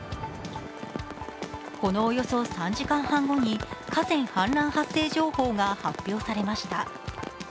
このおよそ３時間半後に河川氾濫発生情報が発表されました。